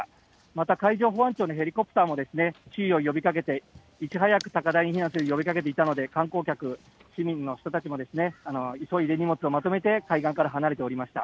また海上保安庁のヘリコプターも注意を呼びかけていち早く高台に避難するよう呼びかけていたので観光客、市民の人たちも急いで荷物をまとめて海岸から離れておりました。